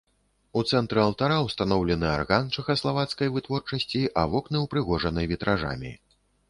У цэнтры алтара ўстаноўлены арган чэхаславацкай вытворчасці, а вокны ўпрыгожаны вітражамі.